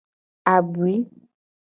Abui.